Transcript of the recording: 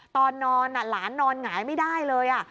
ตอนนอนหลานนอนหงายไม่ได้เลย